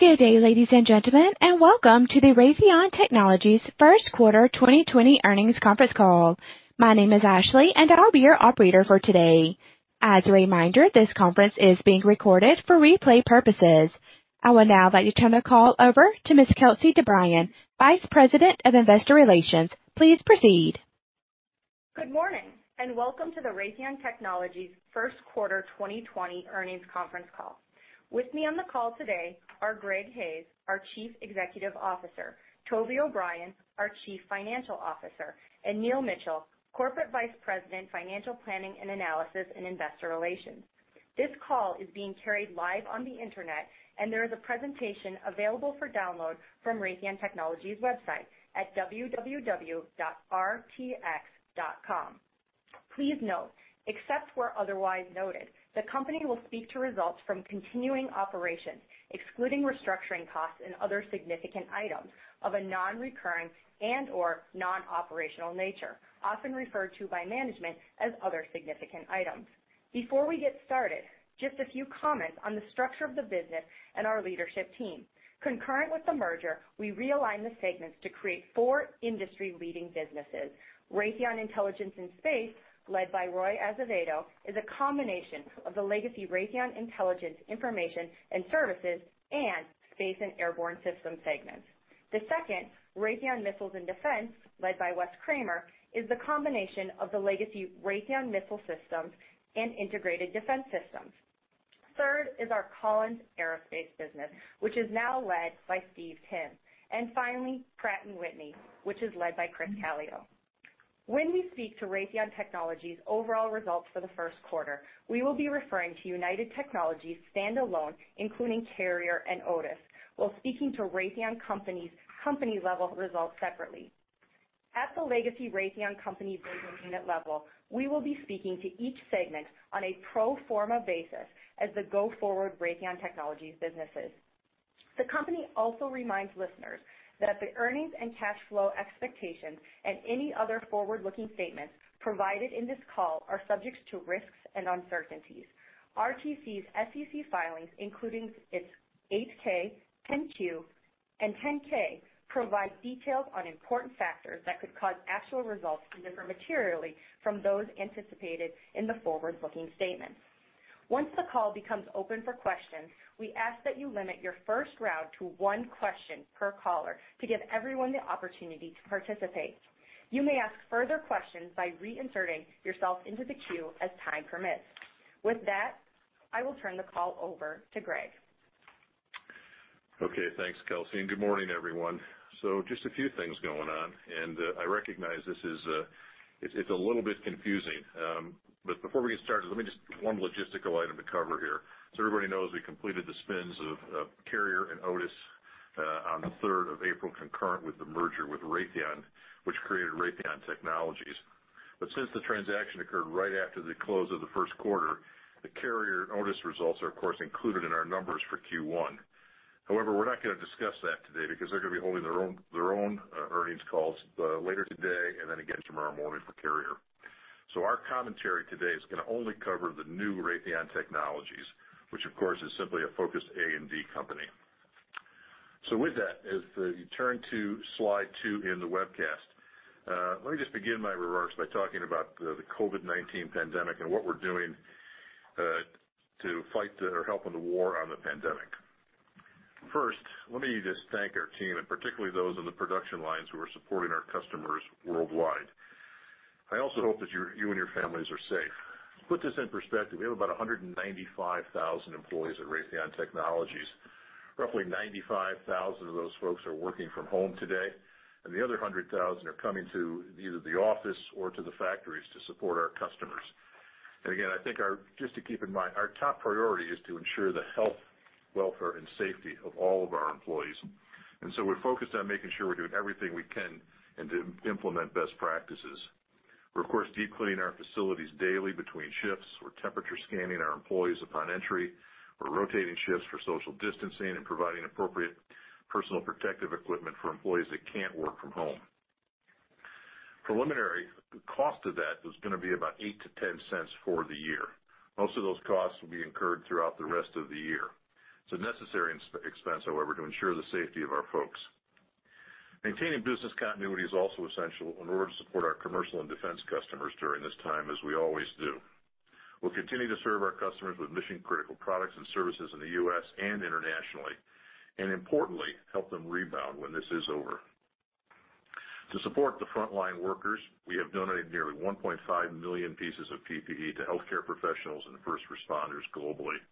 Good day, ladies and gentlemen, and welcome to the Raytheon Technologies first quarter 2020 earnings conference call. My name is Ashley, and I'll be your operator for today. As a reminder, this conference is being recorded for replay purposes. I will now like to turn the call over to Ms. Kelsey DeBriyn, Vice President of Investor Relations. Please proceed. Good morning, and welcome to the Raytheon Technologies first quarter 2020 earnings conference call. With me on the call today are Greg Hayes, our Chief Executive Officer, Toby O'Brien, our Chief Financial Officer, and Neil Mitchill, Corporate Vice President, Financial Planning and Analysis and Investor Relations. This call is being carried live on the internet, there is a presentation available for download from Raytheon Technologies website at www.rtx.com. Please note, except where otherwise noted, the company will speak to results from continuing operations, excluding restructuring costs and other significant items of a non-recurring and/or non-operational nature, often referred to by management as other significant items. Before we get started, just a few comments on the structure of the business and our leadership team. Concurrent with the merger, we realigned the segments to create four industry-leading businesses. Raytheon Intelligence & Space, led by Roy Azevedo, is a combination of the legacy Raytheon Intelligence, Information and Services and Space and Airborne Systems segments. The second, Raytheon Missiles & Defense, led by Wes Kremer, is the combination of the legacy Raytheon Missile Systems and Integrated Defense Systems. Third is our Collins Aerospace business, which is now led by Steve Timm. Finally, Pratt & Whitney, which is led by Chris Calio. When we speak to Raytheon Technologies' overall results for the first quarter, we will be referring to United Technologies standalone, including Carrier and Otis, while speaking to Raytheon Company's company-level results separately. At the legacy Raytheon Company business unit level, we will be speaking to each segment on a pro forma basis as the go-forward Raytheon Technologies businesses. The company also reminds listeners that the earnings and cash flow expectations and any other forward-looking statements provided in this call are subject to risks and uncertainties. RTC's SEC filings, including its 8-K, 10-Q, and 10-K provide details on important factors that could cause actual results to differ materially from those anticipated in the forward-looking statements. Once the call becomes open for questions, we ask that you limit your first round to one question per caller to give everyone the opportunity to participate. You may ask further questions by reinserting yourself into the queue as time permits. I will turn the call over to Greg. Okay, thanks, Kelsey, and good morning, everyone. Just a few things going on, and I recognize this is a little bit confusing. Before we get started, one logistical item to cover here. Everybody knows we completed the spins of Carrier and Otis on the 3rd of April, concurrent with the merger with Raytheon, which created Raytheon Technologies. Since the transaction occurred right after the close of the first quarter, the Carrier and Otis results are, of course, included in our numbers for Q1. However, we're not going to discuss that today because they're going to be holding their own earnings calls later today and then again tomorrow morning for Carrier. Our commentary today is going to only cover the new Raytheon Technologies, which of course, is simply a focused A&D company. With that, as you turn to slide two in the webcast, let me just begin my remarks by talking about the COVID-19 pandemic and what we're doing to fight or help in the war on the pandemic. First, let me just thank our team, and particularly those on the production lines who are supporting our customers worldwide. I also hope that you and your families are safe. To put this in perspective, we have about 195,000 employees at Raytheon Technologies. Roughly 95,000 of those folks are working from home today, and the other 100,000 are coming to either the office or to the factories to support our customers. Again, I think just to keep in mind, our top priority is to ensure the health, welfare, and safety of all of our employees. We're focused on making sure we're doing everything we can and to implement best practices. We're, of course, deep cleaning our facilities daily between shifts. We're temperature scanning our employees upon entry. We're rotating shifts for social distancing and providing appropriate personal protective equipment for employees that can't work from home. Preliminary cost of that is going to be about $0.08 to $0.10 for the year. Most of those costs will be incurred throughout the rest of the year. It's a necessary expense, however, to ensure the safety of our folks. Maintaining business continuity is also essential in order to support our commercial and defense customers during this time, as we always do. We'll continue to serve our customers with mission-critical products and services in the U.S. and internationally, and importantly, help them rebound when this is over. To support the frontline workers, we have donated nearly 1.5 million pieces of PPE to healthcare professionals and first responders globally.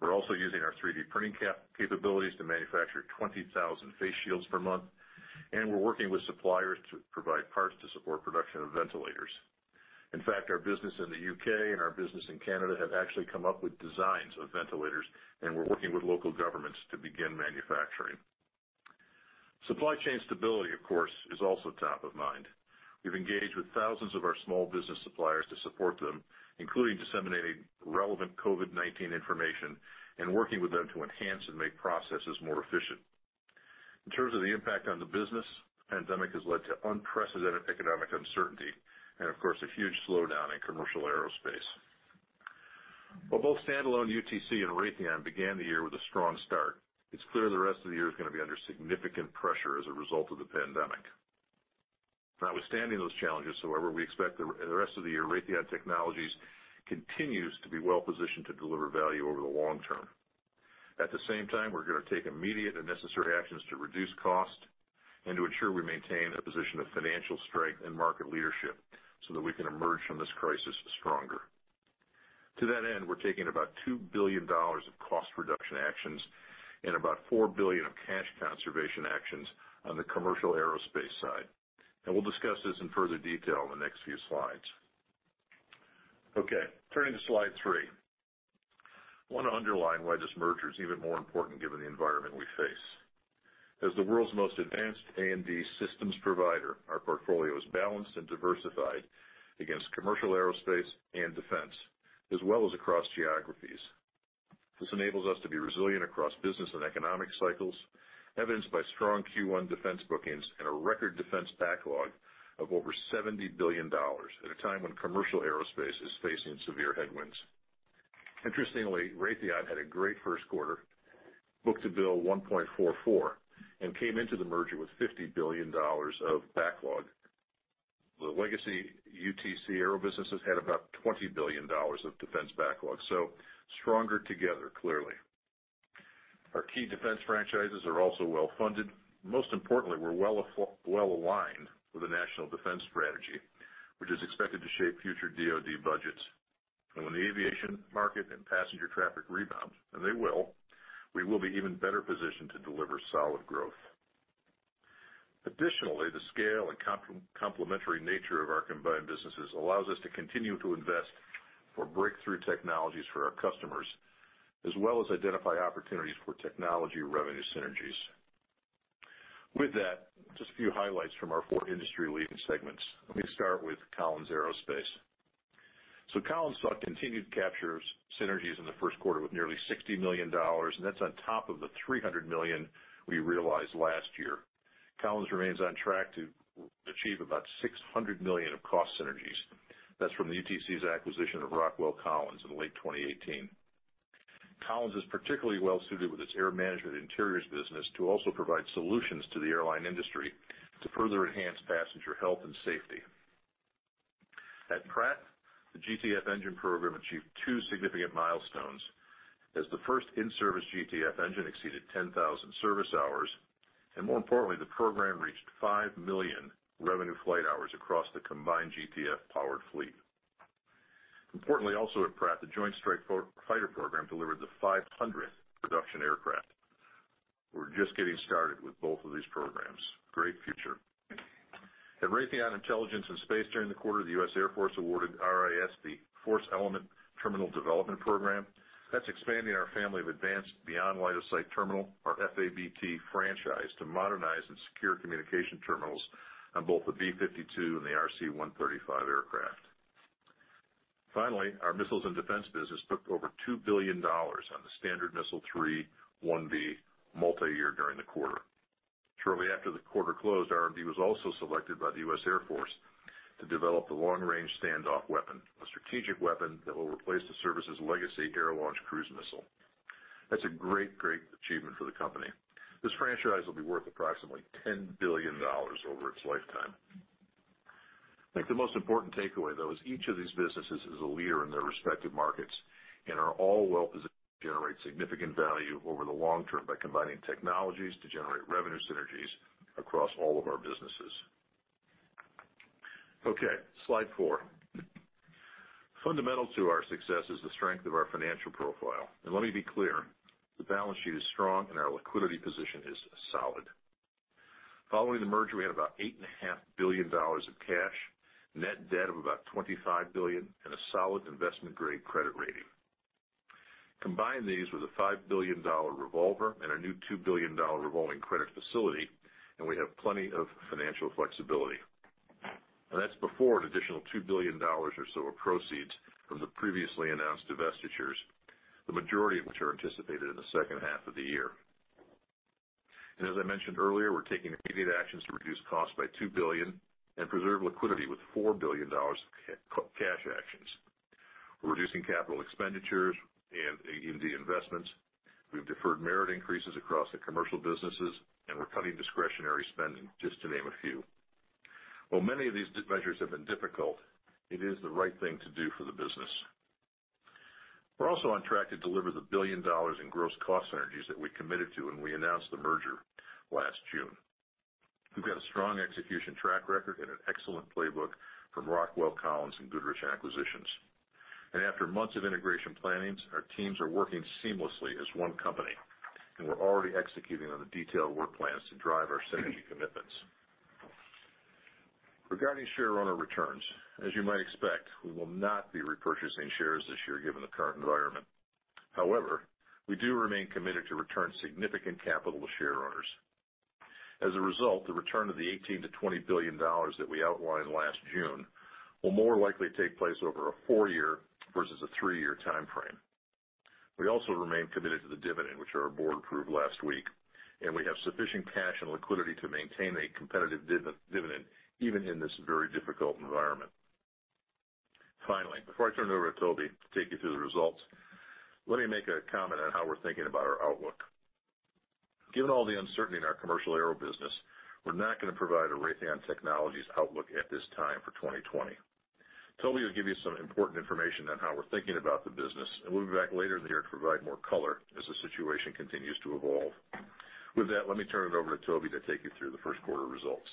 We're also using our 3D printing capabilities to manufacture 20,000 face shields per month, and we're working with suppliers to provide parts to support production of ventilators. In fact, our business in the U.K. and our business in Canada have actually come up with designs of ventilators, and we're working with local governments to begin manufacturing. Supply chain stability, of course, is also top of mind. We've engaged with thousands of our small business suppliers to support them, including disseminating relevant COVID-19 information and working with them to enhance and make processes more efficient. In terms of the impact on the business, the pandemic has led to unprecedented economic uncertainty, and of course, a huge slowdown in commercial aerospace. While both standalone UTC and Raytheon began the year with a strong start, it's clear the rest of the year is going to be under significant pressure as a result of the pandemic. Notwithstanding those challenges, however, we expect in the rest of the year, Raytheon Technologies continues to be well-positioned to deliver value over the long term. At the same time, we're going to take immediate and necessary actions to reduce cost and to ensure we maintain a position of financial strength and market leadership so that we can emerge from this crisis stronger. To that end, we're taking about $2 billion of cost reduction actions and about $4 billion of cash conservation actions on the commercial aerospace side. We'll discuss this in further detail in the next few slides. Okay, turning to slide three. I want to underline why this merger is even more important given the environment we face. As the world's most advanced A&D systems provider, our portfolio is balanced and diversified against commercial aerospace and defense, as well as across geographies. This enables us to be resilient across business and economic cycles, evidenced by strong Q1 defense bookings and a record defense backlog of over $70 billion at a time when commercial aerospace is facing severe headwinds. Interestingly, Raytheon had a great first quarter, booked to bill 1.44, and came into the merger with $50 billion of backlog. The legacy UTC Aero business has had about $20 billion of defense backlog. Stronger together, clearly. Our key defense franchises are also well-funded. Most importantly, we're well-aligned with the National Defense Strategy, which is expected to shape future DoD budgets. When the aviation market and passenger traffic rebound, and they will, we will be even better positioned to deliver solid growth. Additionally, the scale and complementary nature of our combined businesses allows us to continue to invest for breakthrough technologies for our customers, as well as identify opportunities for technology revenue synergies. With that, just a few highlights from our four industry-leading segments. Let me start with Collins Aerospace. Collins saw continued capture synergies in the first quarter with nearly $60 million, and that's on top of the $300 million we realized last year. Collins remains on track to achieve about $600 million of cost synergies. That's from the UTC's acquisition of Rockwell Collins in late 2018. Collins is particularly well-suited with its air management interiors business to also provide solutions to the airline industry to further enhance passenger health and safety. At Pratt, the GTF engine program achieved two significant milestones as the first in-service GTF engine exceeded 10,000 service hours, and more importantly, the program reached 5 million revenue flight hours across the combined GTF powered fleet. Importantly, also at Pratt, the Joint Strike Fighter program delivered the 500th production aircraft. We're just getting started with both of these programs. Great future. At Raytheon Intelligence & Space during the quarter, the U.S. Air Force awarded RIS the Force Element Terminal Development program. That's expanding our Family of Advanced Beyond Line of Sight Terminal, or FAB-T franchise, to modernize its secure communication terminals on both the B-52 and the RC-135 aircraft. Finally, our missiles and defense business booked over $2 billion on the Standard Missile-3 IB multi-year during the quarter. Shortly after the quarter closed, RMD was also selected by the U.S. Air Force to develop the Long-Range Standoff Weapon, a strategic weapon that will replace the service's legacy air-launched cruise missile. That's a great achievement for the company. This franchise will be worth approximately $10 billion over its lifetime. I think the most important takeaway, though, is each of these businesses is a leader in their respective markets and are all well-positioned to generate significant value over the long term by combining technologies to generate revenue synergies across all of our businesses. Okay, slide four. Fundamental to our success is the strength of our financial profile. Let me be clear, the balance sheet is strong and our liquidity position is solid. Following the merger, we had about $8.5 billion of cash, net debt of about $25 billion, and a solid investment-grade credit rating. Combine these with a $5 billion revolver and a new $2 billion revolving credit facility, and we have plenty of financial flexibility. That's before an additional $2 billion or so of proceeds from the previously announced divestitures, the majority of which are anticipated in the second half of the year. As I mentioned earlier, we're taking immediate actions to reduce costs by $2 billion and preserve liquidity with $4 billion cash actions. We're reducing capital expenditures and A&D investments. We've deferred merit increases across the commercial businesses, and we're cutting discretionary spending, just to name a few. While many of these measures have been difficult, it is the right thing to do for the business. We're also on track to deliver the $1 billion in gross cost synergies that we committed to when we announced the merger last June. We've got a strong execution track record and an excellent playbook from Rockwell Collins and Goodrich acquisitions. After months of integration planning, our teams are working seamlessly as one company, and we're already executing on the detailed work plans to drive our synergy commitments. Regarding share owner returns, as you might expect, we will not be repurchasing shares this year given the current environment. However, we do remain committed to return significant capital to share owners. As a result, the return of the $18 billion-$20 billion that we outlined last June will more likely take place over a four-year versus a three-year time frame. We also remain committed to the dividend, which our board approved last week, and we have sufficient cash and liquidity to maintain a competitive dividend even in this very difficult environment. Finally, before I turn it over to Toby to take you through the results, let me make a comment on how we're thinking about our outlook. Given all the uncertainty in our commercial aero business, we're not going to provide a Raytheon Technologies outlook at this time for 2020. Toby will give you some important information on how we're thinking about the business, and we'll be back later in the year to provide more color as the situation continues to evolve. With that, let me turn it over to Toby to take you through the first quarter results.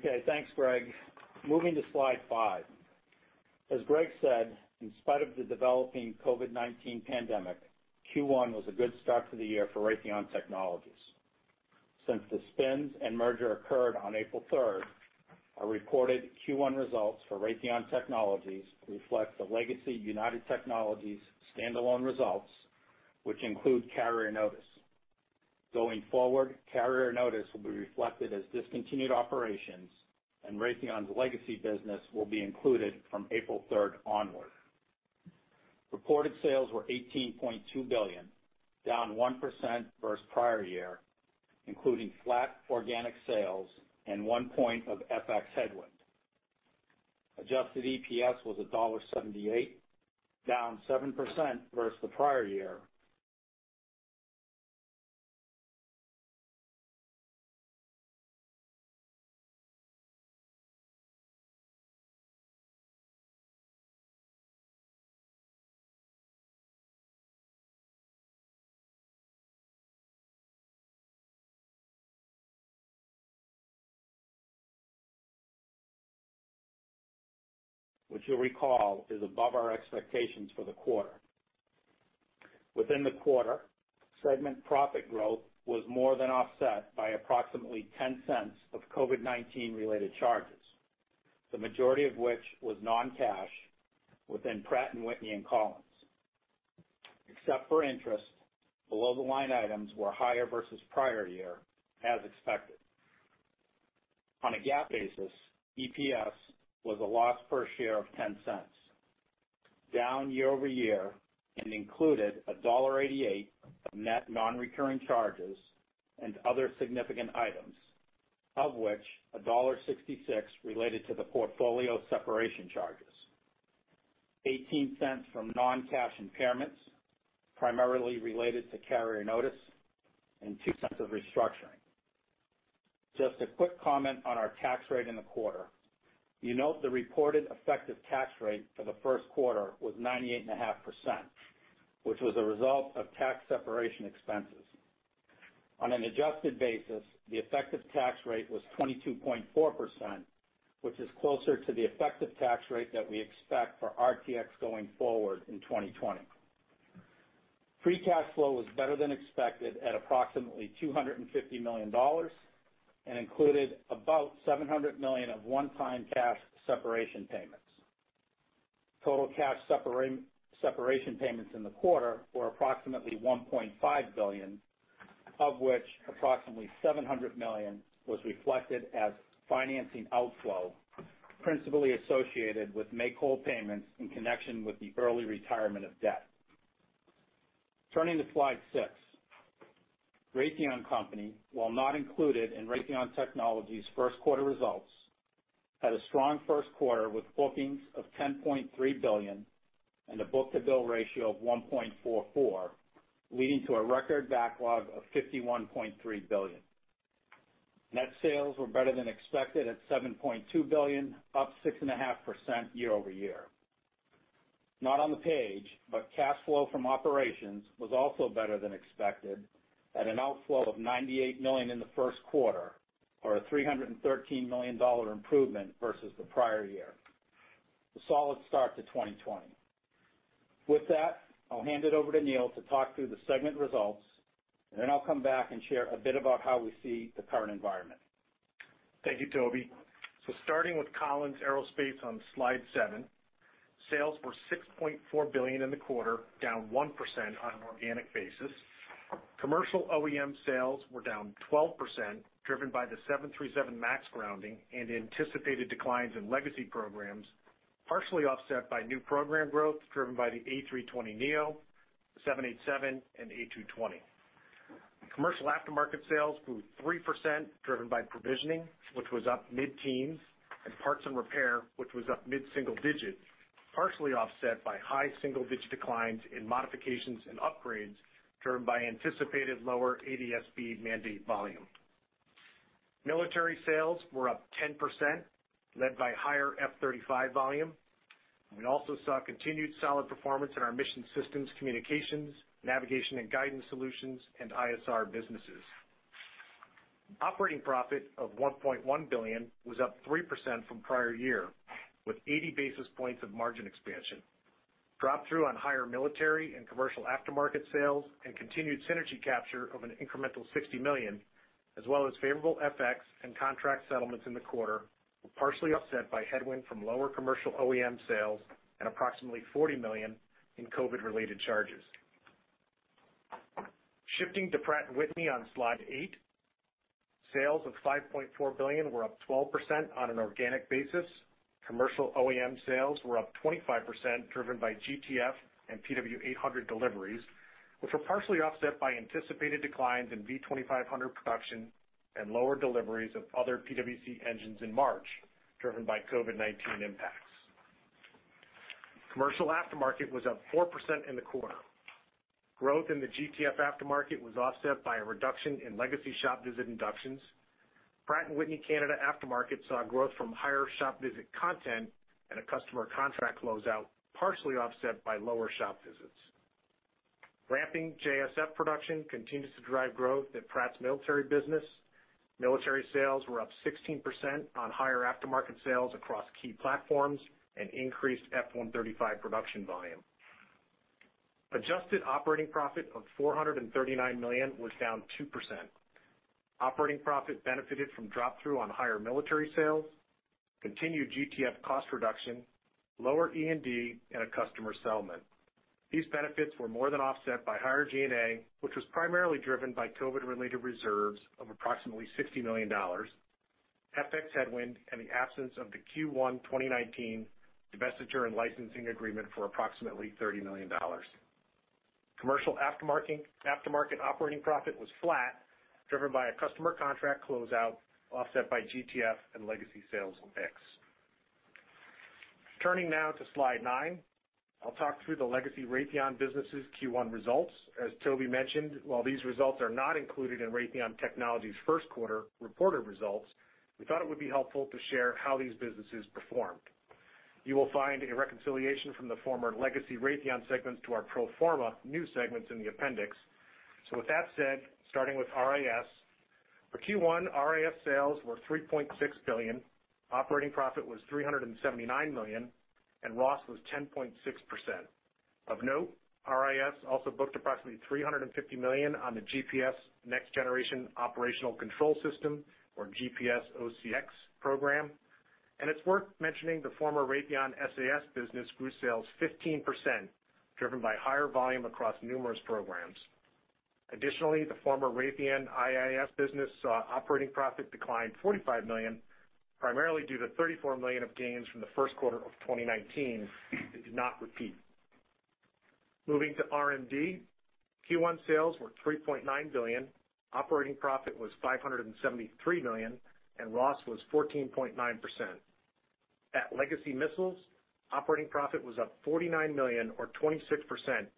Okay. Thanks, Greg. Moving to slide five. As Greg said, in spite of the developing COVID-19 pandemic, Q1 was a good start to the year for Raytheon Technologies. Since the spins and merger occurred on April 3rd, our reported Q1 results for Raytheon Technologies reflect the legacy United Technologies standalone results, which include Carrier and Otis. Going forward, Carrier and Otis will be reflected as discontinued operations, and Raytheon's legacy business will be included from April 3rd onward. Reported sales were $18.2 billion, down 1% versus prior year, including flat organic sales and one point of FX headwind. Adjusted EPS was $1.78, down 7% versus the prior year. Which you'll recall is above our expectations for the quarter. Within the quarter, segment profit growth was more than offset by approximately $0.10 of COVID-19 related charges, the majority of which was non-cash within Pratt & Whitney and Collins. Except for interest, below-the-line items were higher versus prior year, as expected. On a GAAP basis, EPS was a loss per share of $0.10, down year-over-year and included $1.88 of net non-recurring charges and other significant items, of which $1.66 related to the portfolio separation charges, $0.18 from non-cash impairments, primarily related to Carrier and Otis, and $0.02 of restructuring. Just a quick comment on our tax rate in the quarter. You note the reported effective tax rate for the first quarter was 98.5%, which was a result of tax separation expenses. On an adjusted basis, the effective tax rate was 22.4%, which is closer to the effective tax rate that we expect for RTX going forward in 2020. Free cash flow was better than expected at approximately $250 million and included about $700 million of one-time cash separation payments. Total cash separation payments in the quarter were approximately $1.5 billion, of which approximately $700 million was reflected as financing outflow, principally associated with make-whole payments in connection with the early retirement of debt. Turning to slide six. Raytheon Company, while not included in Raytheon Technologies' first quarter results, had a strong first quarter with bookings of $10.3 billion and a book-to-bill ratio of 1.44, leading to a record backlog of $51.3 billion. Net sales were better than expected at $7.2 billion, up 6.5% year-over-year. Not on the page, but cash flow from operations was also better than expected at an outflow of $98 million in the first quarter or a $313 million improvement versus the prior year. A solid start to 2020. With that, I'll hand it over to Neil to talk through the segment results, and then I'll come back and share a bit about how we see the current environment. Thank you, Toby. Starting with Collins Aerospace on slide seven, sales were $6.4 billion in the quarter, down 1% on an organic basis. Commercial OEM sales were down 12%, driven by the 737 MAX grounding and anticipated declines in legacy programs, partially offset by new program growth driven by the A320neo, the 787, and A220. Commercial aftermarket sales grew 3%, driven by provisioning, which was up mid-teens, and parts and repair, which was up mid-single digit, partially offset by high single-digit declines in modifications and upgrades driven by anticipated lower ADS-B mandate volume. Military sales were up 10%, led by higher F-35 volume. We also saw continued solid performance in our mission systems communications, navigation and guidance solutions, and ISR businesses. Operating profit of $1.1 billion was up 3% from prior year, with 80 basis points of margin expansion. Drop-through on higher military and commercial aftermarket sales and continued synergy capture of an incremental $60 million, as well as favorable FX and contract settlements in the quarter, were partially offset by headwind from lower commercial OEM sales and approximately $40 million in COVID-related charges. Shifting to Pratt & Whitney on slide eight. Sales of $5.4 billion were up 12% on an organic basis. Commercial OEM sales were up 25%, driven by GTF and PW800 deliveries, which were partially offset by anticipated declines in V2500 production and lower deliveries of other P&WC engines in March, driven by COVID-19 impacts. Commercial aftermarket was up 4% in the quarter. Growth in the GTF aftermarket was offset by a reduction in legacy shop visit inductions. Pratt & Whitney Canada aftermarket saw a growth from higher shop visit content and a customer contract closeout, partially offset by lower shop visits. Ramping JSF production continues to drive growth at Pratt's military business. Military sales were up 16% on higher aftermarket sales across key platforms and increased F135 production volume. Adjusted operating profit of $439 million was down 2%. Operating profit benefited from drop through on higher military sales, continued GTF cost reduction, lower E&D, and a customer settlement. These benefits were more than offset by higher G&A, which was primarily driven by COVID-related reserves of approximately $60 million, FX headwind, and the absence of the Q1 2019 divestiture and licensing agreement for approximately $30 million. Commercial aftermarket operating profit was flat, driven by a customer contract closeout, offset by GTF and legacy sales mix. Turning now to slide nine. I'll talk through the legacy Raytheon business' Q1 results. As Toby mentioned, while these results are not included in Raytheon Technologies' first quarter reported results, we thought it would be helpful to share how these businesses performed. You will find a reconciliation from the former legacy Raytheon segments to our pro forma new segments in the appendix. With that said, starting with RIS. For Q1, RIS sales were $3.6 billion, operating profit was $379 million, and ROS was 10.6%. Of note, RIS also booked approximately $350 million on the GPS Next Generation Operational Control System or GPS OCX program, and it's worth mentioning the former Raytheon SAS business grew sales 15%, driven by higher volume across numerous programs. Additionally, the former Raytheon IIS business saw operating profit decline $45 million, primarily due to $34 million of gains from the first quarter of 2019 that did not repeat. Moving to RMD. Q1 sales were $3.9 billion, operating profit was $573 million, and ROS was 14.9%. At legacy Missiles, operating profit was up $49 million or 26%,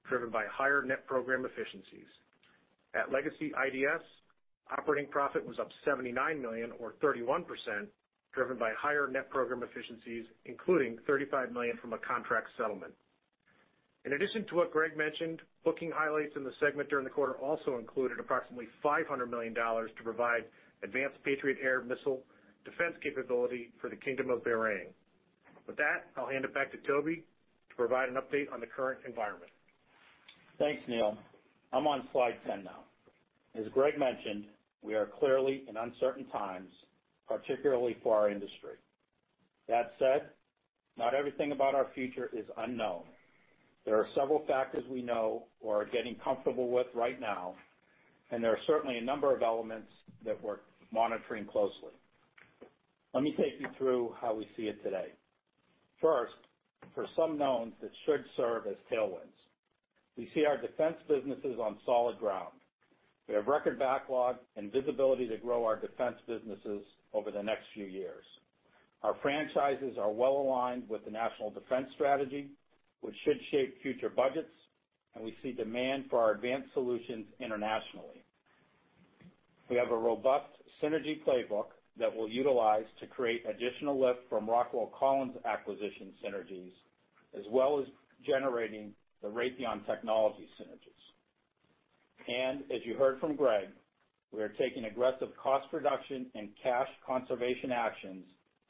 driven by higher net program efficiencies. At legacy IDS, operating profit was up $79 million or 31%, driven by higher net program efficiencies, including $35 million from a contract settlement. In addition to what Greg mentioned, booking highlights in the segment during the quarter also included approximately $500 million to provide advanced Patriot air missile defense capability for the Kingdom of Bahrain. With that, I'll hand it back to Toby to provide an update on the current environment. Thanks, Neil. I'm on slide 10 now. As Greg mentioned, we are clearly in uncertain times, particularly for our industry. That said, not everything about our future is unknown. There are several factors we know or are getting comfortable with right now, and there are certainly a number of elements that we're monitoring closely. Let me take you through how we see it today. First, for some knowns that should serve as tailwinds. We see our defense businesses on solid ground. We have record backlog and visibility to grow our defense businesses over the next few years. Our franchises are well-aligned with the National Defense Strategy, which should shape future budgets, and we see demand for our advanced solutions internationally. We have a robust synergy playbook that we'll utilize to create additional lift from Rockwell Collins acquisition synergies, as well as generating the Raytheon Technologies synergies. As you heard from Greg, we are taking aggressive cost reduction and cash conservation actions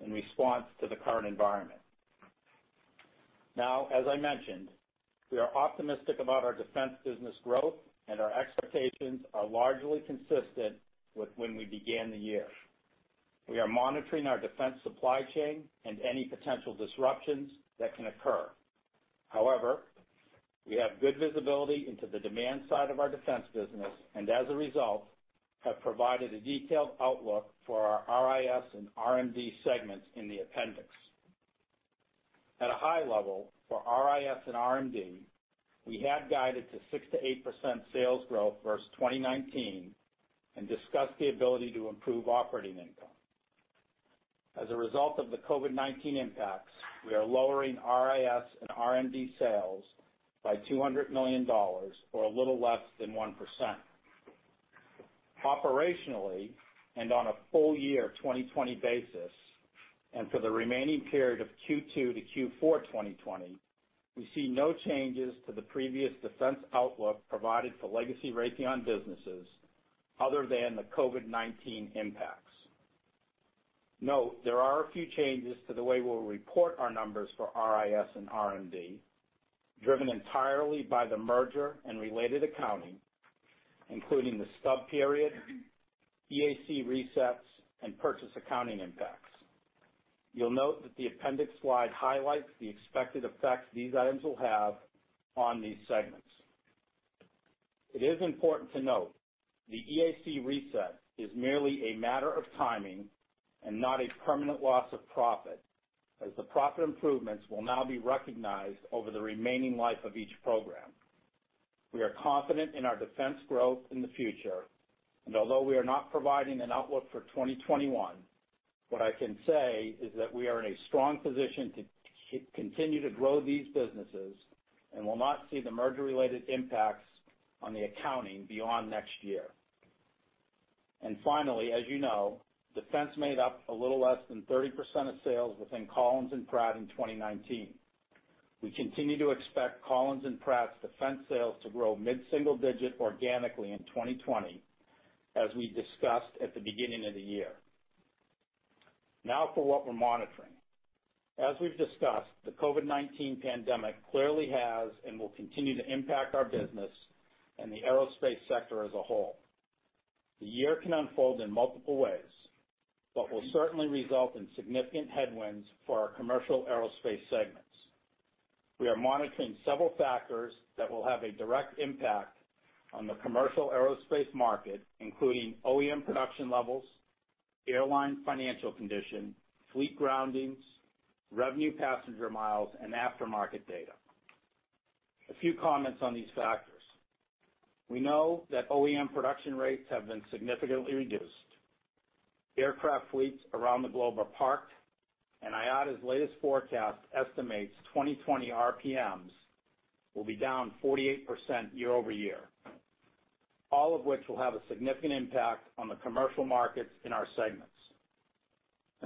in response to the current environment. As I mentioned, we are optimistic about our defense business growth, and our expectations are largely consistent with when we began the year. We are monitoring our defense supply chain and any potential disruptions that can occur. We have good visibility into the demand side of our defense business, and as a result, have provided a detailed outlook for our RIS and RMD segments in the appendix. At a high level, for RIS and RMD, we had guided to 6%-8% sales growth versus 2019 and discussed the ability to improve operating income. As a result of the COVID-19 impacts, we are lowering RIS and RMD sales by $200 million or a little less than 1%. Operationally, on a full year 2020 basis, and for the remaining period of Q2 to Q4 2020, we see no changes to the previous defense outlook provided for legacy Raytheon businesses other than the COVID-19 impacts. Note, there are a few changes to the way we'll report our numbers for RIS and RMD, driven entirely by the merger and related accounting, including the stub period, EAC resets, and purchase accounting impacts. You'll note that the appendix slide highlights the expected effects these items will have on these segments. It is important to note, the EAC reset is merely a matter of timing and not a permanent loss of profit, as the profit improvements will now be recognized over the remaining life of each program. We are confident in our defense growth in the future, and although we are not providing an outlook for 2021, what I can say is that we are in a strong position to continue to grow these businesses and will not see the merger-related impacts on the accounting beyond next year. Finally, as you know, defense made up a little less than 30% of sales within Collins and Pratt in 2019. We continue to expect Collins and Pratt's defense sales to grow mid-single digit organically in 2020, as we discussed at the beginning of the year. Now for what we're monitoring. As we've discussed, the COVID-19 pandemic clearly has and will continue to impact our business and the aerospace sector as a whole. The year can unfold in multiple ways, but will certainly result in significant headwinds for our commercial aerospace segments. We are monitoring several factors that will have a direct impact on the commercial aerospace market, including OEM production levels, airline financial condition, fleet groundings, Revenue Passenger Miles, and aftermarket data. A few comments on these factors. We know that OEM production rates have been significantly reduced. Aircraft fleets around the globe are parked. IATA's latest forecast estimates 2020 RPMs will be down 48% year-over-year. All of which will have a significant impact on the commercial markets in our segments,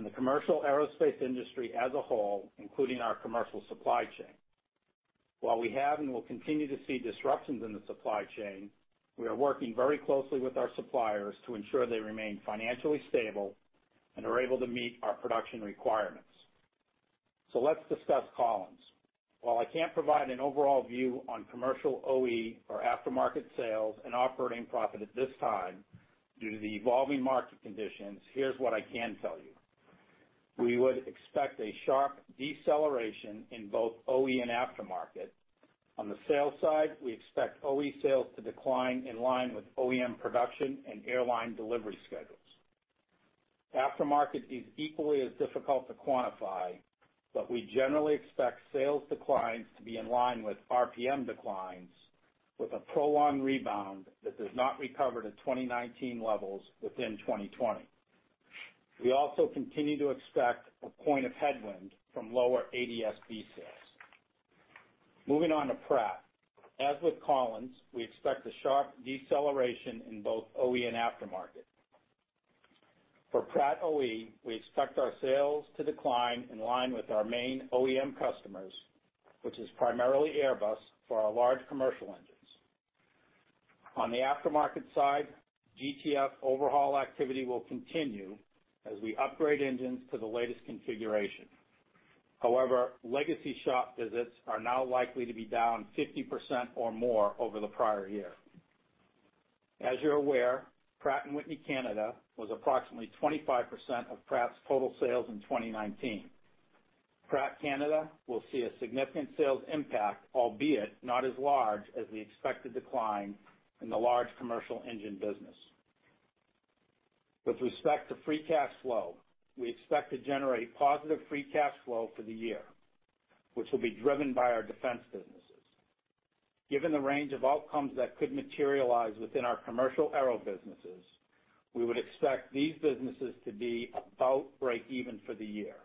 the commercial aerospace industry as a whole, including our commercial supply chain. While we have and will continue to see disruptions in the supply chain, we are working very closely with our suppliers to ensure they remain financially stable and are able to meet our production requirements. Let's discuss Collins. While I can't provide an overall view on commercial OE or aftermarket sales and operating profit at this time, due to the evolving market conditions, here's what I can tell you. We would expect a sharp deceleration in both OE and aftermarket. On the sales side, we expect OE sales to decline in line with OEM production and airline delivery schedules. Aftermarket is equally as difficult to quantify, we generally expect sales declines to be in line with RPM declines, with a prolonged rebound that does not recover to 2019 levels within 2020. We also continue to expect one point of headwind from lower ADS-B sales. Moving on to Pratt. As with Collins, we expect a sharp deceleration in both OE and aftermarket. For Pratt OE, we expect our sales to decline in line with our main OEM customers, which is primarily Airbus for our large commercial engines. On the aftermarket side, GTF overhaul activity will continue as we upgrade engines to the latest configuration. Legacy shop visits are now likely to be down 50% or more over the prior year. As you're aware, Pratt & Whitney Canada was approximately 25% of Pratt's total sales in 2019. Pratt Canada will see a significant sales impact, albeit not as large as the expected decline in the large commercial engine business. With respect to free cash flow, we expect to generate positive free cash flow for the year, which will be driven by our defense businesses. Given the range of outcomes that could materialize within our commercial aero businesses, we would expect these businesses to be about breakeven for the year,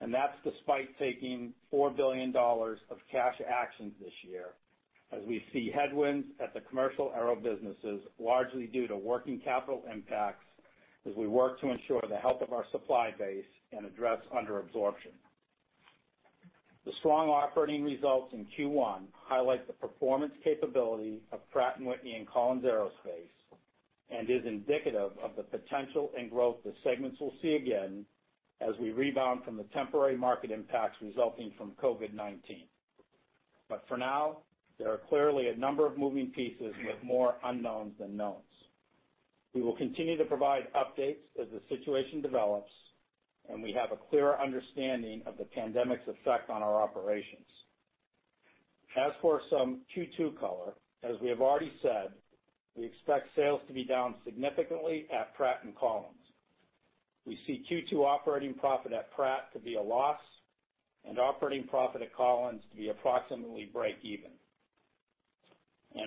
and that's despite taking $4 billion of cash actions this year, as we see headwinds at the commercial aero businesses, largely due to working capital impacts, as we work to ensure the health of our supply base and address under absorption. The strong operating results in Q1 highlight the performance capability of Pratt & Whitney and Collins Aerospace, and is indicative of the potential and growth the segments will see again as we rebound from the temporary market impacts resulting from COVID-19. For now, there are clearly a number of moving pieces with more unknowns than knowns. We will continue to provide updates as the situation develops and we have a clearer understanding of the pandemic's effect on our operations. As for some Q2 color, as we have already said, we expect sales to be down significantly at Pratt and Collins. We see Q2 operating profit at Pratt to be a loss, and operating profit at Collins to be approximately breakeven.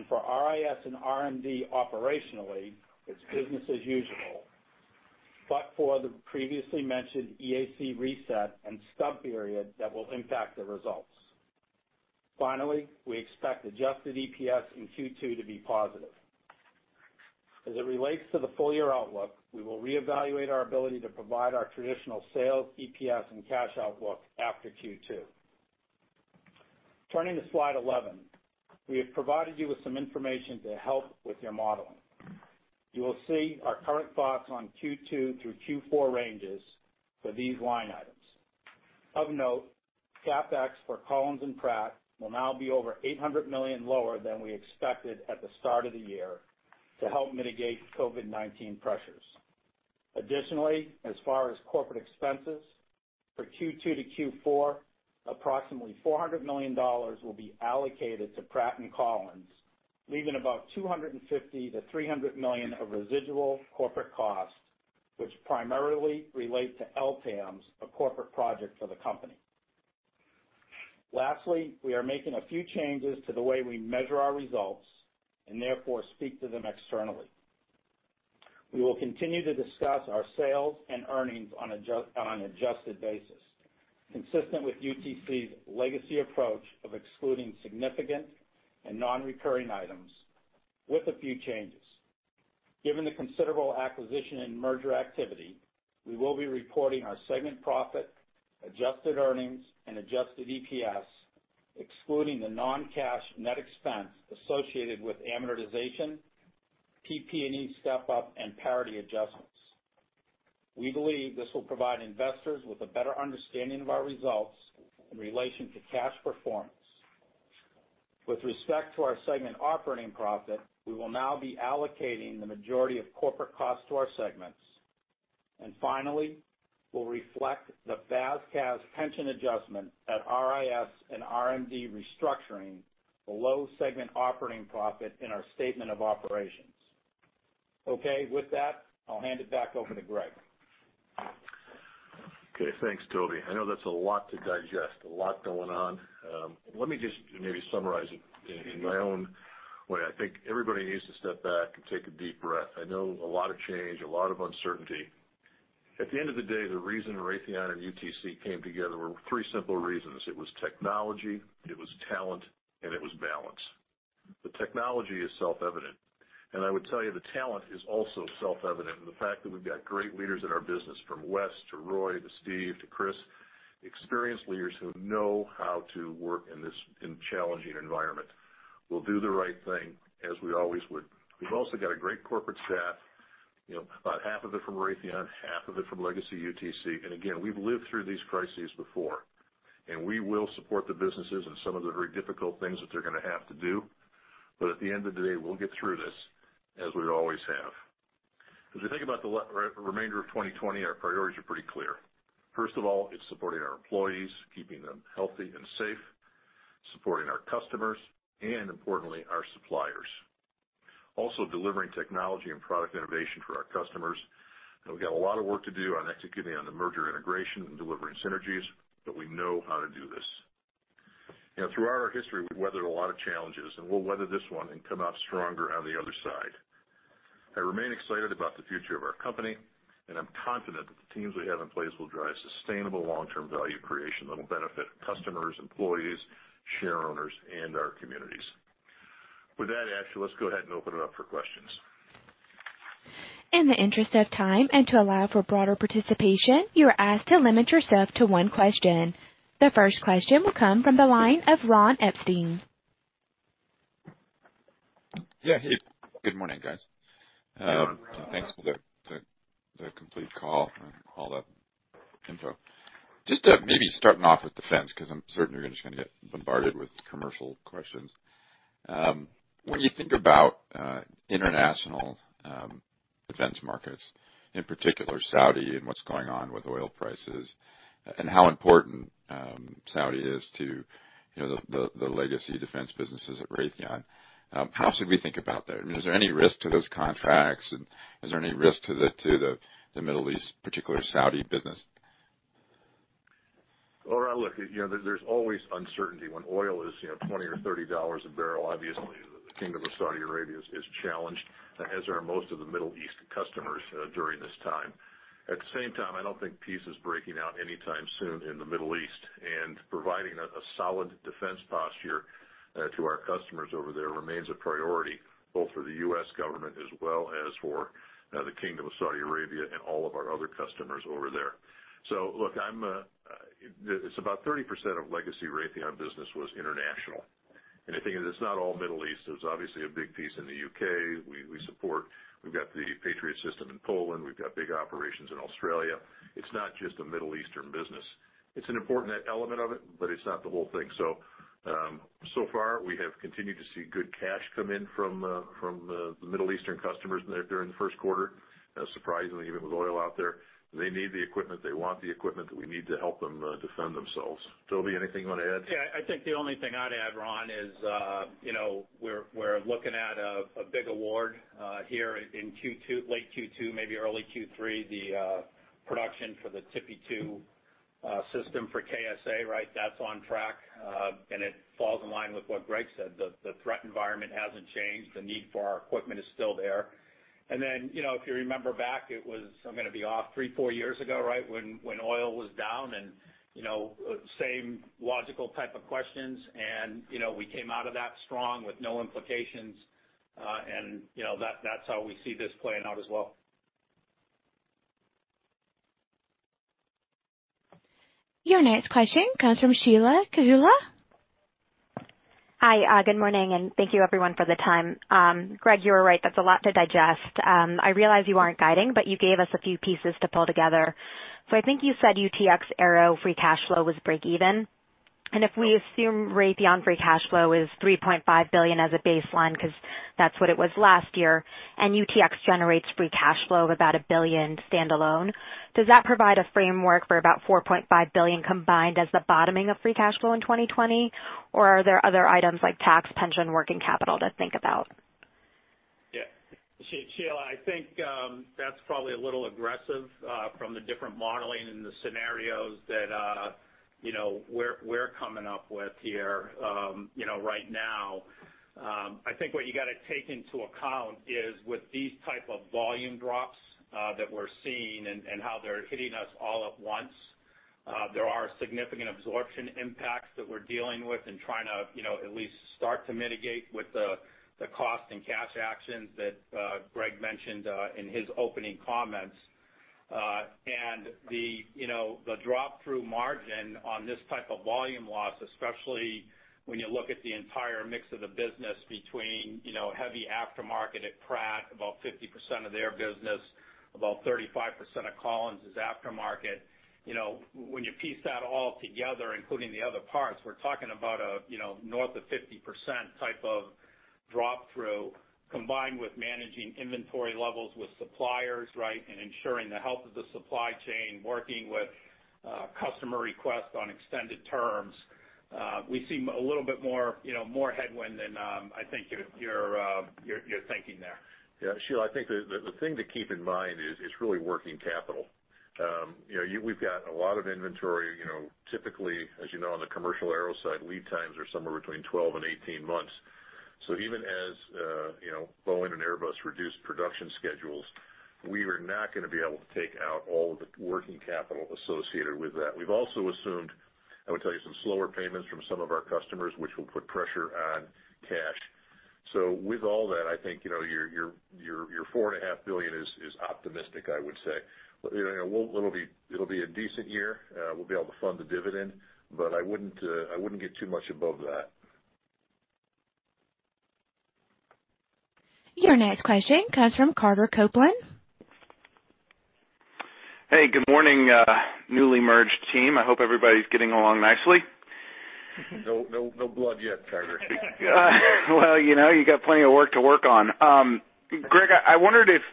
For RIS and RMD operationally, it's business as usual, but for the previously mentioned EAC reset and stub period that will impact the results. Finally, we expect adjusted EPS in Q2 to be positive. As it relates to the full year outlook, we will reevaluate our ability to provide our traditional sales, EPS, and cash outlook after Q2. Turning to slide 11, we have provided you with some information to help with your modeling. You will see our current thoughts on Q2 through Q4 ranges for these line items. Of note, CapEx for Collins and Pratt will now be over $800 million lower than we expected at the start of the year to help mitigate COVID-19 pressures. As far as corporate expenses, for Q2 to Q4, approximately $400 million will be allocated to Pratt & Collins, leaving about $250 million-$300 million of residual corporate costs, which primarily relate to LTAMDS, a corporate project for the company. We are making a few changes to the way we measure our results, and therefore, speak to them externally. We will continue to discuss our sales and earnings on an adjusted basis, consistent with UTC's legacy approach of excluding significant and non-recurring items, with a few changes. Given the considerable acquisition and merger activity, we will be reporting our segment profit, adjusted earnings, and adjusted EPS, excluding the non-cash net expense associated with amortization, PP&E step-up, and parity adjustments. We believe this will provide investors with a better understanding of our results in relation to cash performance. With respect to our segment operating profit, we will now be allocating the majority of corporate costs to our segments. Finally, we'll reflect the FAS/CAS pension adjustment at RIS and RMD restructuring below segment operating profit in our statement of operations. With that, I'll hand it back over to Greg. Okay. Thanks, Toby. I know that's a lot to digest, a lot going on. Let me just maybe summarize it in my own way. I think everybody needs to step back and take a deep breath. I know a lot of change, a lot of uncertainty. At the end of the day, the reason Raytheon and UTC came together were three simple reasons. It was technology, it was talent, and it was balance. The technology is self-evident. I would tell you the talent is also self-evident, and the fact that we've got great leaders in our business, from Wes to Roy to Steve to Chris, experienced leaders who know how to work in this challenging environment. We'll do the right thing as we always would. We've also got a great corporate staff, about half of it from Raytheon, half of it from legacy UTC. Again, we've lived through these crises before, and we will support the businesses in some of the very difficult things that they're going to have to do. At the end of the day, we'll get through this, as we always have. As we think about the remainder of 2020, our priorities are pretty clear. First of all, it's supporting our employees, keeping them healthy and safe, supporting our customers, and importantly, our suppliers. Delivering technology and product innovation for our customers. We've got a lot of work to do on executing on the merger integration and delivering synergies, but we know how to do this. Throughout our history, we've weathered a lot of challenges, and we'll weather this one and come out stronger on the other side. I remain excited about the future of our company, and I'm confident that the teams we have in place will drive sustainable long-term value creation that'll benefit customers, employees, shareowners, and our communities. With that, Ashley, let's go ahead and open it up for questions. In the interest of time and to allow for broader participation, you are asked to limit yourself to one question. The first question will come from the line of Ron Epstein. Yeah. Hey. Good morning, guys. Thanks for the complete call and all that info. Maybe starting off with defense, because I'm certain you're just going to get bombarded with commercial questions. When you think about international defense markets, in particular Saudi and what's going on with oil prices, and how important Saudi is to the legacy defense businesses at Raytheon, how should we think about that? I mean, is there any risk to those contracts, and is there any risk to the Middle East, particular Saudi business? Well, Ron, look, there's always uncertainty. When oil is $20 or $30 a barrel, obviously the Kingdom of Saudi Arabia is challenged, as are most of the Middle East customers during this time. At the same time, I don't think peace is breaking out anytime soon in the Middle East. Providing a solid defense posture to our customers over there remains a priority, both for the U.S. government as well as for the Kingdom of Saudi Arabia and all of our other customers over there. Look, about 30% of legacy Raytheon business was international. The thing is, it's not all Middle East. There's obviously a big piece in the U.K. we support. We've got the Patriot system in Poland. We've got big operations in Australia. It's not just a Middle Eastern business. It's an important element of it, but it's not the whole thing. We have continued to see good cash come in from the Middle Eastern customers there during the first quarter, surprisingly, even with oil out there. They need the equipment. They want the equipment. We need to help them defend themselves. Toby, anything you want to add? Yeah. I think the only thing I'd add, Ron, is we're looking at a big award here in late Q2, maybe early Q3, the production for the TPY-2 system for KSA, right? That's on track. It falls in line with what Greg said. The threat environment hasn't changed. The need for our equipment is still there. Then, if you remember back, it was, I'm going to be off, three, four years ago, right? When oil was down, and same logical type of questions. We came out of that strong with no implications. That's how we see this playing out as well. Your next question comes from Sheila Kahyaoglu. Hi, good morning, thank you everyone for the time. Greg, you were right, that's a lot to digest. I realize you aren't guiding, you gave us a few pieces to pull together. I think you said UTX Aero free cash flow was breakeven. If we assume Raytheon free cash flow is $3.5 billion as a baseline, because that's what it was last year, and UTX generates free cash flow of about $1 billion standalone, does that provide a framework for about $4.5 billion combined as the bottoming of free cash flow in 2020? Are there other items like tax, pension, working capital to think about? Yeah. Sheila, I think, that's probably a little aggressive, from the different modeling and the scenarios that we're coming up with here. Right now, I think what you got to take into account is with these type of volume drops, that we're seeing and how they're hitting us all at once, there are significant absorption impacts that we're dealing with and trying to at least start to mitigate with the cost and cash actions that Greg mentioned in his opening comments. The drop through margin on this type of volume loss, especially when you look at the entire mix of the business between heavy aftermarket at Pratt, about 50% of their business, about 35% of Collins is aftermarket. When you piece that all together, including the other parts, we're talking about north of 50% type of drop through, combined with managing inventory levels with suppliers, right, and ensuring the health of the supply chain, working with customer requests on extended terms. We see a little bit more headwind than, I think you're thinking there. Yeah, Sheila, I think the thing to keep in mind is really working capital. We've got a lot of inventory, typically, as you know, on the commercial aero side, lead times are somewhere between 12 and 18 months. Even as Boeing and Airbus reduce production schedules, we are not going to be able to take out all of the working capital associated with that. We've also assumed, I would tell you, some slower payments from some of our customers, which will put pressure on cash. With all that, I think, your $4.5 billion is optimistic, I would say. It'll be a decent year. We'll be able to fund the dividend, but I wouldn't get too much above that. Your next question comes from Carter Copeland. Hey, good morning, newly merged team. I hope everybody's getting along nicely. No blood yet, Carter. Well, you got plenty of work to work on. Greg, I wondered if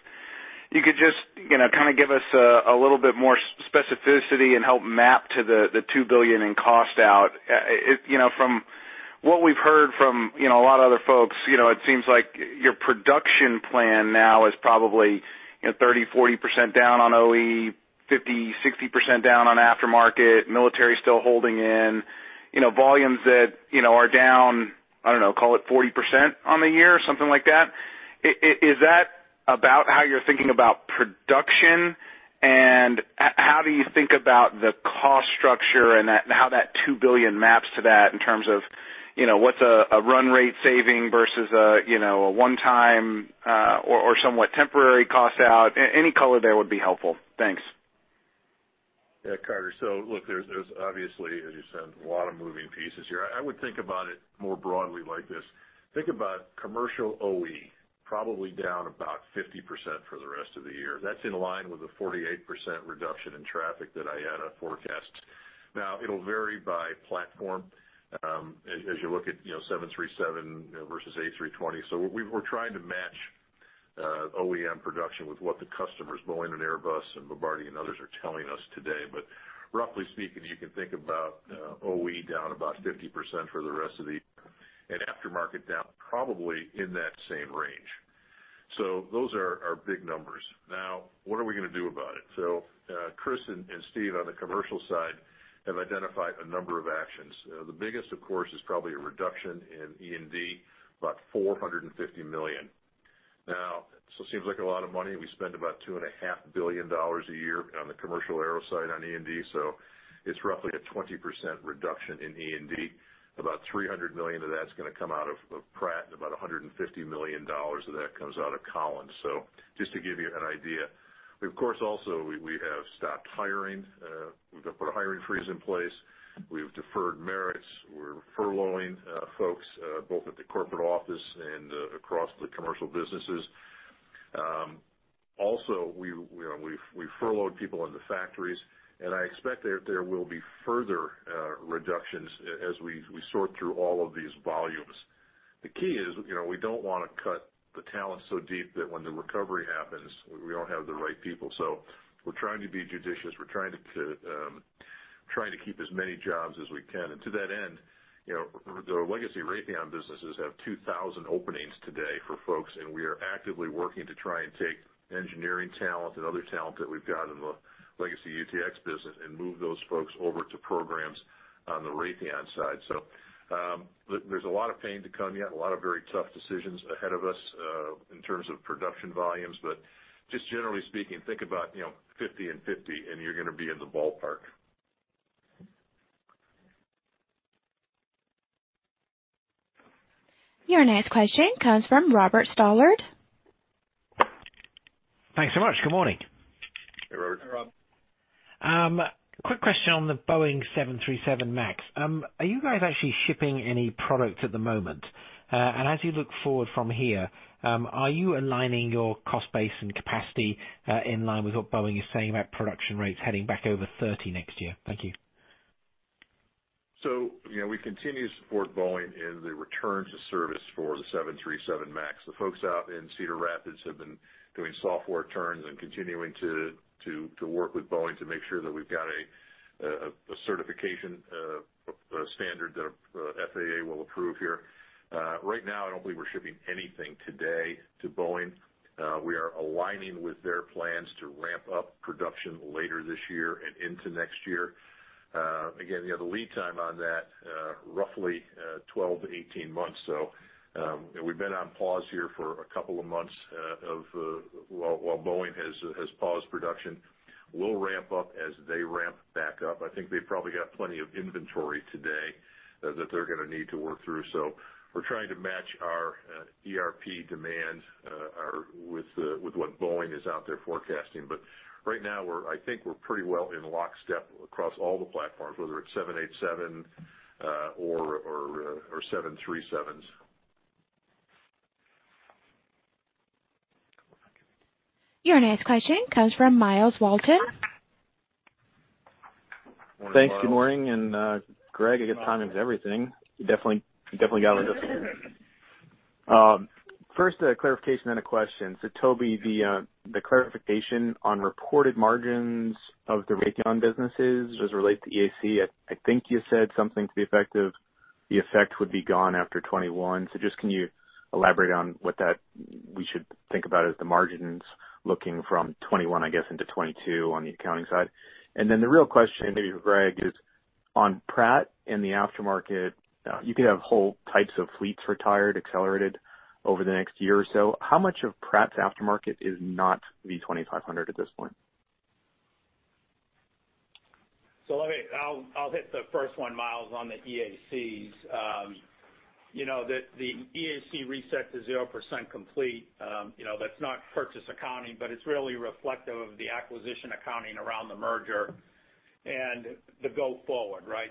you could just give us a little bit more specificity and help map to the $2 billion in cost out. From what we've heard from a lot of other folks, it seems like your production plan now is probably 30%, 40% down on OE, 50%, 60% down on aftermarket, military still holding in, volumes that are down, I don't know, call it 40% on the year or something like that. Is that about how you're thinking about production, and how do you think about the cost structure, and how that $2 billion maps to that in terms of what's a run rate saving versus a one-time, or somewhat temporary cost out? Any color there would be helpful. Thanks. Yeah, Carter. Look, there's obviously, as you said, a lot of moving pieces here. I would think about it more broadly like this. Think about commercial OE, probably down about 50% for the rest of the year. That's in line with the 48% reduction in traffic that I had forecast. It'll vary by platform, as you look at 737 versus A320. We're trying to match OEM production with what the customers, Boeing and Airbus and Bombardier and others are telling us today. Roughly speaking, you can think about OE down about 50% for the rest of the year, and aftermarket down probably in that same range. Those are our big numbers. What are we going to do about it? Chris and Steve on the commercial side have identified a number of actions. The biggest, of course, is probably a reduction in E&D, about $450 million. Now, it seems like a lot of money. We spend about $2.5 billion a year on the commercial aero side on E&D, so it's roughly a 20% reduction in E&D. About $300 million of that's going to come out of Pratt and about $150 million of that comes out of Collins. Just to give you an idea. We of course also have stopped hiring. We've put a hiring freeze in place. We've deferred merits. We're furloughing folks, both at the corporate office and across the commercial businesses. Also, we furloughed people in the factories, and I expect that there will be further reductions as we sort through all of these volumes. The key is, we don't want to cut the talent so deep that when the recovery happens, we don't have the right people. We're trying to be judicious. We're trying to keep as many jobs as we can. To that end, the legacy Raytheon businesses have 2,000 openings today for folks, and we are actively working to try and take engineering talent and other talent that we've got in the legacy UTC business and move those folks over to programs on the Raytheon side. There's a lot of pain to come yet, a lot of very tough decisions ahead of us, in terms of production volumes. Just generally speaking, think about 50 and 50, and you're going to be in the ballpark. Your next question comes from Robert Stallard. Thanks so much. Good morning. Quick question on the Boeing 737 MAX. Are you guys actually shipping any product at the moment? As you look forward from here, are you aligning your cost base and capacity in line with what Boeing is saying about production rates heading back over 30 next year? Thank you. We continue to support Boeing in the return to service for the 737 MAX. The folks out in Cedar Rapids have been doing software turns and continuing to work with Boeing to make sure that we've got a certification standard that FAA will approve here. Right now, I don't believe we're shipping anything today to Boeing. We are aligning with their plans to ramp up production later this year and into next year. Again, the lead time on that, roughly 12-18 months. We've been on pause here for a couple of months while Boeing has paused production. We'll ramp up as they ramp back up. I think they've probably got plenty of inventory today that they're going to need to work through. We're trying to match our ERP demand with what Boeing is out there forecasting. Right now, I think we're pretty well in lockstep across all the platforms, whether it's 787 or 737s. Your next question comes from Myles Walton. Thanks. Good morning. Greg, I guess timing's everything. You definitely got on this. First, a clarification, then a question. Toby, the clarification on reported margins of the Raytheon businesses, does it relate to EAC? I think you said something to the effect of the effect would be gone after 2021. Just can you elaborate on what that we should think about as the margins looking from 2021, I guess, into 2022 on the accounting side? Then the real question, maybe for Greg, is on Pratt and the aftermarket, you could have whole types of fleets retired, accelerated over the next year or so. How much of Pratt's aftermarket is not V2500 at this point? Let me, I'll hit the first one, Myles, on the EACs. The EAC reset to 0% complete. That's not purchase accounting, but it's really reflective of the acquisition accounting around the merger and the go forward, right?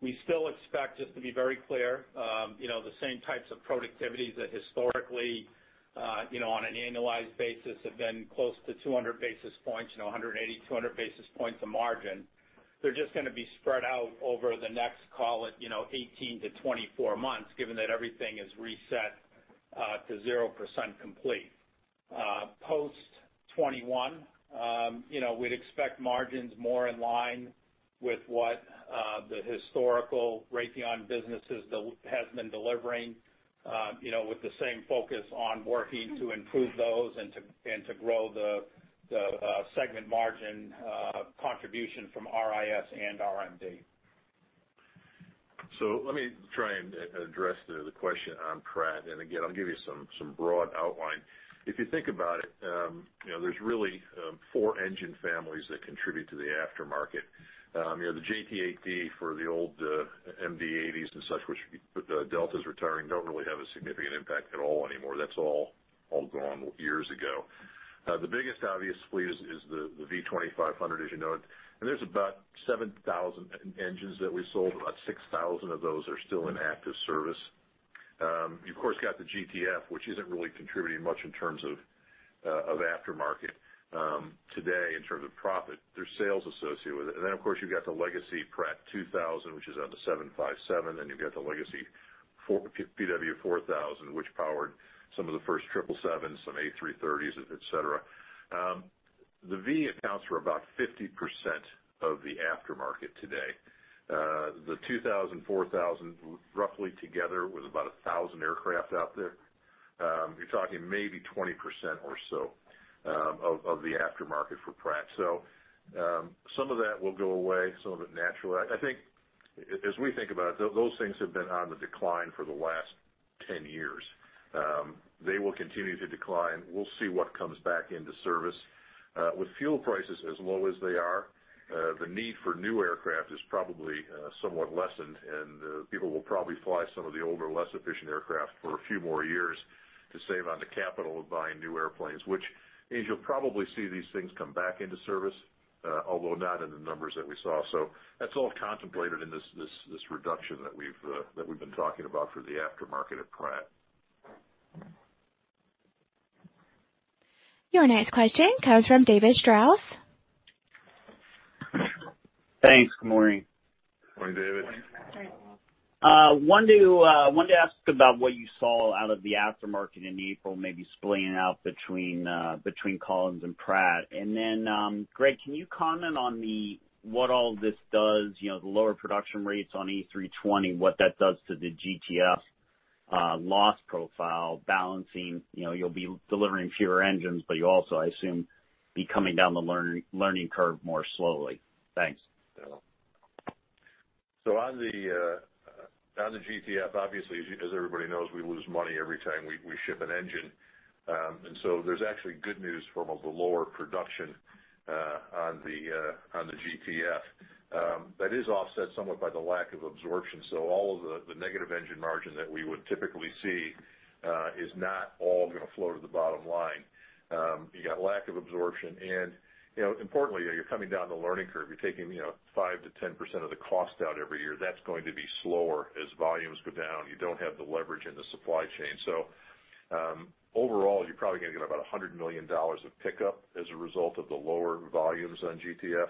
We still expect, just to be very clear, the same types of productivities that historically, on an annualized basis, have been close to 200 basis points, 180, 200 basis points of margin. They're just going to be spread out over the next, call it 18-24 months, given that everything is reset to 0% complete. Post 2021, we'd expect margins more in line with what the historical Raytheon businesses has been delivering, with the same focus on working to improve those and to grow the segment margin contribution from RIS and RMD. Let me try and address the question on Pratt. Again, I'll give you some broad outline. If you think about it, there's really four engine families that contribute to the aftermarket. The JT8D for the old MD-80s and such, which Delta's retiring, don't really have a significant impact at all anymore. That's all gone years ago. The biggest obvious fleet is the V2500, as you know, there's about 7,000 engines that we sold. About 6,000 of those are still in active service. You, of course, got the GTF, which isn't really contributing much in terms of aftermarket today in terms of profit. There's sales associated with it. Then, of course, you've got the legacy PW2000, which is on the 757, and you've got the legacy PW4000, which powered some of the first 777, some A330s, et cetera. The V accounts for about 50% of the aftermarket today. The PW2000/PW4000, roughly together, with about 1,000 aircraft out there. You're talking maybe 20% or so of the aftermarket for Pratt. Some of that will go away, some of it naturally. I think, as we think about it, those things have been on the decline for the last 10 years. They will continue to decline. We'll see what comes back into service. With fuel prices as low as they are, the need for new aircraft is probably somewhat lessened, and people will probably fly some of the older, less efficient aircraft for a few more years to save on the capital of buying new airplanes. Which means you'll probably see these things come back into service, although not in the numbers that we saw. That's all contemplated in this reduction that we've been talking about for the aftermarket at Pratt. Your next question comes from David Strauss. Thanks. Good morning. Morning, David. Wanted to ask about what you saw out of the aftermarket in April, maybe splitting it out between Collins and Pratt. Greg, can you comment on what all this does, the lower production rates on A320, what that does to the GTF loss profile balancing. You'll be delivering fewer engines, but you also, I assume, be coming down the learning curve more slowly. Thanks. On the GTF, obviously, as everybody knows, we lose money every time we ship an engine. There's actually good news from the lower production on the GTF. That is offset somewhat by the lack of absorption. All of the negative engine margin that we would typically see is not all going to flow to the bottom line. You got lack of absorption and importantly, you're coming down the learning curve. You're taking 5%-10% of the cost out every year. That's going to be slower as volumes go down. You don't have the leverage in the supply chain. Overall, you're probably going to get about $100 million of pickup as a result of the lower volumes on GTF.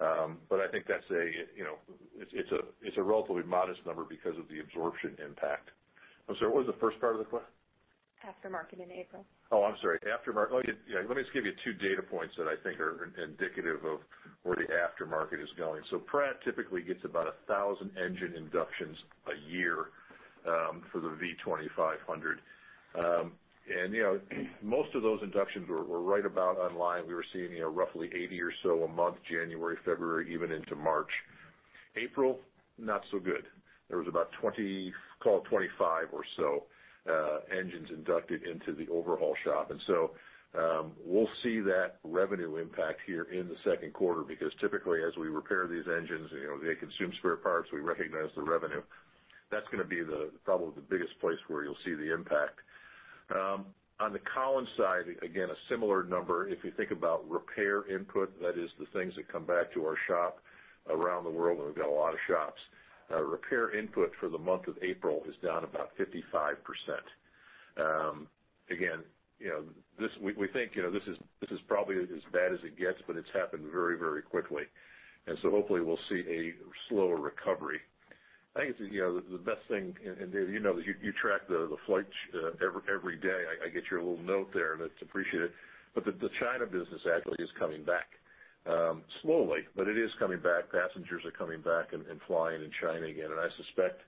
I think it's a relatively modest number because of the absorption impact. I'm sorry, what was the first part of the question? Aftermarket in April. Oh, I'm sorry. Aftermarket. Let me just give you two data points that I think are indicative of where the aftermarket is going. Pratt typically gets about 1,000 engine inductions a year for the V2500. Most of those inductions were right about online. We were seeing roughly 80 or so a month, January, February, even into March. April, not so good. There was about 20, call it 25 or so, engines inducted into the overhaul shop. We'll see that revenue impact here in the second quarter, because typically as we repair these engines, they consume spare parts, we recognize the revenue. That's going to be probably the biggest place where you'll see the impact. On the Collins side, again, a similar number. If you think about repair input, that is the things that come back to our shop around the world, and we've got a lot of shops. Repair input for the month of April is down about 55%. We think this is probably as bad as it gets, but it's happened very quickly. Hopefully we'll see a slower recovery. I think the best thing, you track the flights every day. I get your little note there, it's appreciated. The China business actually is coming back. Slowly, it is coming back. Passengers are coming back and flying in China again. I suspect,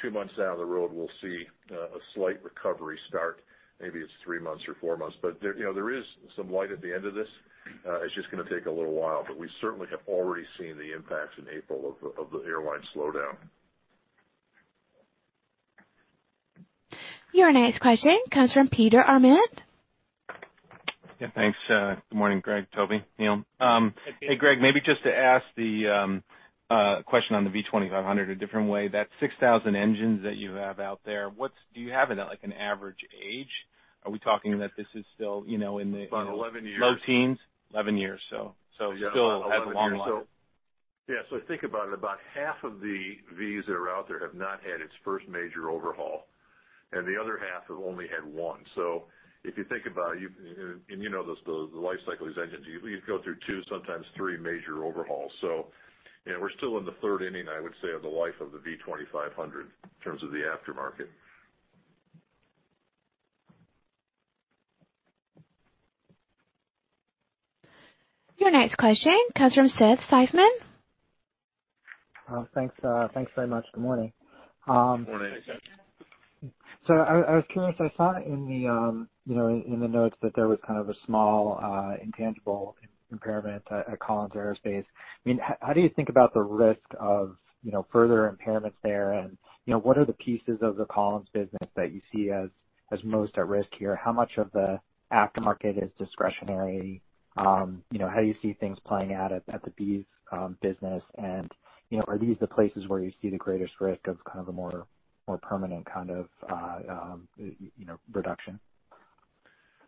two months down the road, we'll see a slight recovery start. Maybe it's three months or four months. There is some light at the end of this. It's just going to take a little while, but we certainly have already seen the impact in April of the airline slowdown. Your next question comes from Peter Arment. Yeah, thanks. Good morning, Greg, Toby, Neil. Hey, Peter. Hey, Greg, maybe just to ask the question on the V2500 a different way. That 6,000 engines that you have out there, do you have an average age? Are we talking that this is still in the- It's about 11 years. low teens? 11 years, so still has a long life. If you think about it, about half of the Vs that are out there have not had its first major overhaul, and the other half have only had one. If you think about it, and you know this, the life cycle of these engines, you go through two, sometimes three major overhauls. We're still in the third inning, I would say, of the life of the V2500 in terms of the aftermarket. Your next question comes from Seth Seifman. Thanks very much. Good morning. Good morning, Seth. I was curious, I saw in the notes that there was kind of a small intangible impairment at Collins Aerospace. How do you think about the risk of further impairments there, and what are the pieces of the Collins business that you see as most at risk here? How much of the aftermarket is discretionary? How do you see things playing out at the B/E's business? Are these the places where you see the greatest risk of a more permanent kind of reduction?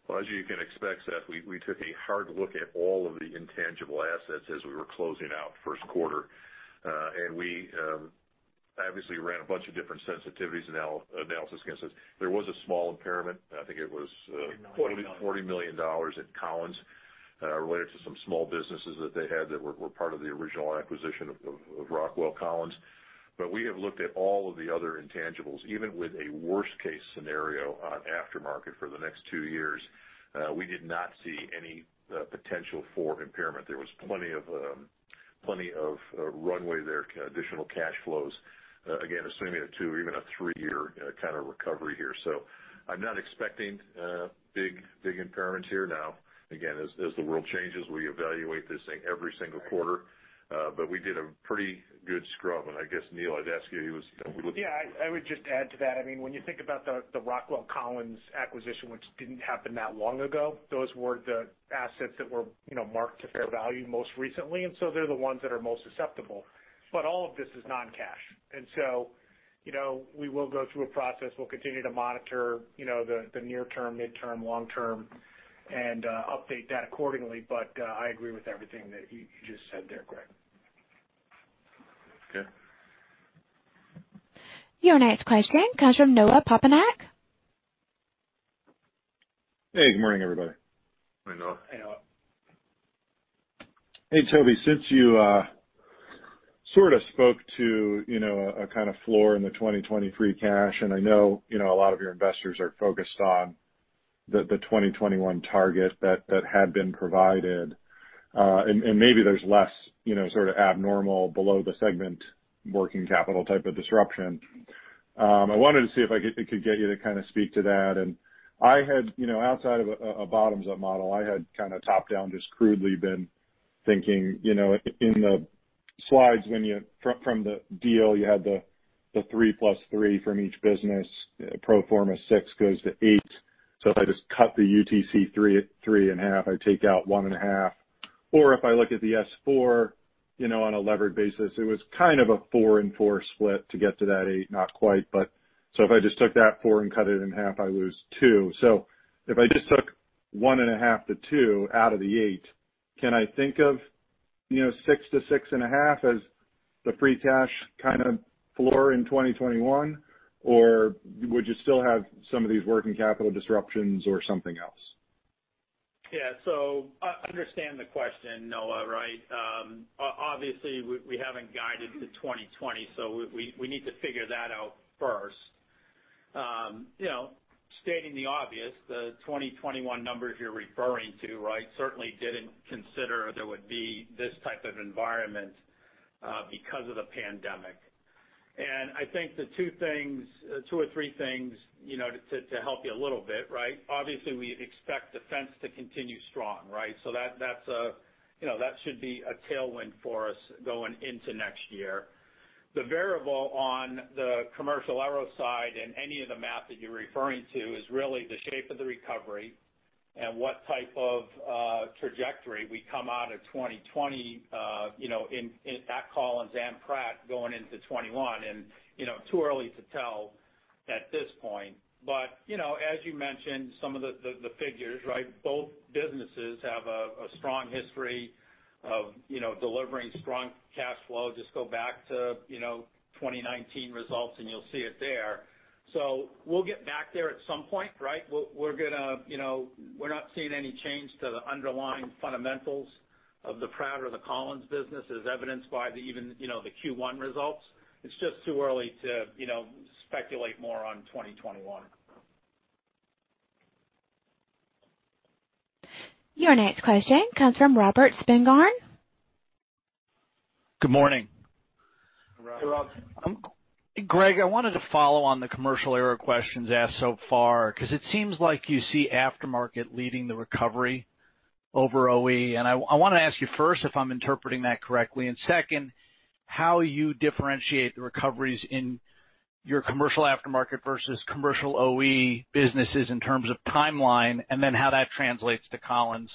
Well, as you can expect, Seth, we took a hard look at all of the intangible assets as we were closing out first quarter. We obviously ran a bunch of different sensitivities and analysis against this. There was a small impairment, and I think it was $40 million at Collins related to some small businesses that they had that were part of the original acquisition of Rockwell Collins. We have looked at all of the other intangibles. Even with a worst-case scenario on aftermarket for the next two years, we did not see any potential for impairment. There was plenty of runway there, additional cash flows. Again, assuming a two, even a three-year kind of recovery here. I'm not expecting big impairments here. Now, again, as the world changes, we evaluate this thing every single quarter. We did a pretty good scrub, and I guess, Neil, I'd ask you. Yeah, I would just add to that. When you think about the Rockwell Collins acquisition, which didn't happen that long ago, those were the assets that were marked to fair value most recently, they're the ones that are most susceptible. All of this is non-cash. We will go through a process. We'll continue to monitor the near term, midterm, long term, and update that accordingly. I agree with everything that you just said there, Greg. Okay. Your next question comes from Noah Poponak. Hey, good morning, everybody. Hi, Noah. Hey, Noah. Hey, Toby, since you sort of spoke to a kind of floor in the 2020 free cash, I know a lot of your investors are focused on the 2021 target that had been provided, maybe there's less sort of abnormal below the segment working capital type of disruption. I wanted to see if I could get you to kind of speak to that. Outside of a bottoms-up model, I had kind of top-down just crudely been thinking, in the slides from the deal, you had the 3%+3% from each business, pro forma 6% goes to 8%. If I just cut the UTC 3.5%, I take out 1.5%. If I look at the S-4, on a levered basis, it was kind of a 4% and 4% split to get to that 8%, not quite, but if I just took that 4% and cut it in half, I lose 2%. If I just took 1.5%-2% out of the 8%, can I think of 6%-6.5% as the free cash kind of floor in 2021, or would you still have some of these working capital disruptions or something else? Yeah. I understand the question, Noah. Obviously, we haven't guided to 2020, so we need to figure that out first. Stating the obvious, the 2021 numbers you're referring to certainly didn't consider there would be this type of environment because of the pandemic. I think the two or three things to help you a little bit. Obviously, we expect defense to continue strong. That should be a tailwind for us going into next year. The variable on the commercial aero side and any of the math that you're referring to is really the shape of the recovery and what type of trajectory we come out of 2020, at Collins and Pratt going into 2021, and too early to tell at this point. As you mentioned, some of the figures. Both businesses have a strong history of delivering strong cash flow. Just go back to 2019 results and you'll see it there. We'll get back there at some point. We're not seeing any change to the underlying fundamentals of the Pratt or the Collins business, as evidenced by even the Q1 results. It's just too early to speculate more on 2021. Your next question comes from Robert Spingarn. Good morning. Hey, Rob. Greg, I wanted to follow on the commercial aero questions asked so far, because it seems like you see aftermarket leading the recovery over OE, and I want to ask you first if I'm interpreting that correctly, and second, how you differentiate the recoveries in your commercial aftermarket versus commercial OE businesses in terms of timeline, and then how that translates to Collins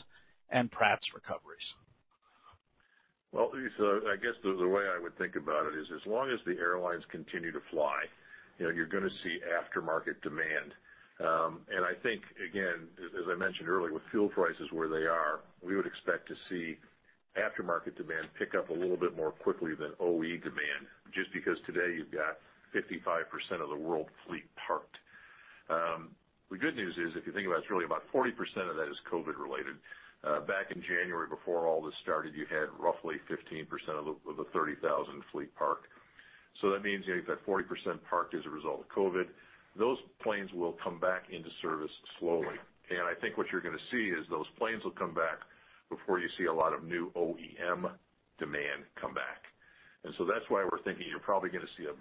and Pratt's recoveries. Well, I guess the way I would think about it is, as long as the airlines continue to fly, you're going to see aftermarket demand. I think, again, as I mentioned earlier, with fuel prices where they are, we would expect to see aftermarket demand pick up a little bit more quickly than OE demand, just because today you've got 55% of the world fleet parked. The good news is, if you think about it's really about 40% of that is COVID related. Back in January, before all this started, you had roughly 15% of the 30,000 fleet parked. That means you've got 40% parked as a result of COVID. Those planes will come back into service slowly, and I think what you're going to see is those planes will come back before you see a lot of new OEM demand come back. That's why we're thinking you're probably going to see a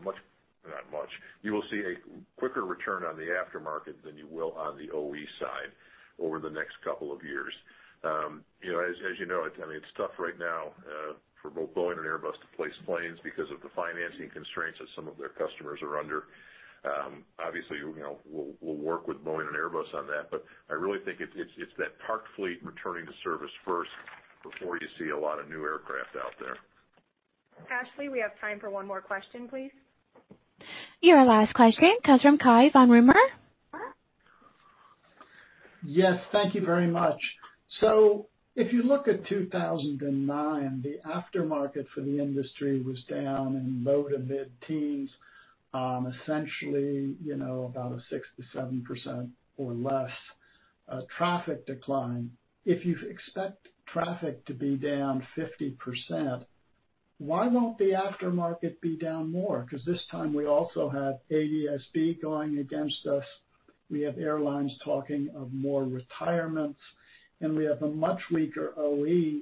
quicker return on the aftermarket than you will on the OE side over the next couple of years. As you know, it's tough right now for both Boeing and Airbus to place planes because of the financing constraints that some of their customers are under. Obviously, we'll work with Boeing and Airbus on that, but I really think it's that parked fleet returning to service first before you see a lot of new aircraft out there. Ashley, we have time for one more question, please. Your last question comes from Cai von Rumohr. Yes. Thank you very much. If you look at 2009, the aftermarket for the industry was down in low to mid-teens. Essentially, about a 6%-7% or less traffic decline. If you expect traffic to be down 50%, why won't the aftermarket be down more? This time we also have ADS-B going against us. We have airlines talking of more retirements, and we have a much weaker OE